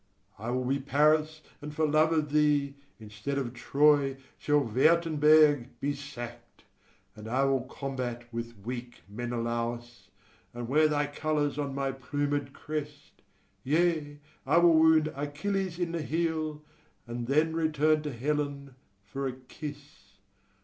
I will be Paris, and for love of thee, Instead of Troy, shall Wertenberg be sack'd; And I will combat with weak Menelaus, And wear thy colours on my plumed crest; Yea, I will wound Achilles in the heel, And then return to Helen for a kiss.